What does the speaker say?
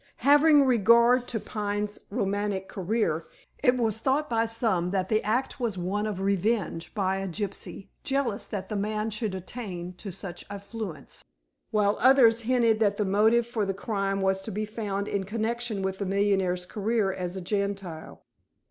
Having regard to Pine's romantic career, it was thought by some that the act was one of revenge by a gypsy jealous that the man should attain to such affluence, while others hinted that the motive for the crime was to be found in connection with the millionaire's career as a Gentile.